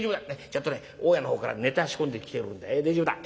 ちゃんとね大家の方からネタ仕込んできてるんで大丈夫だ。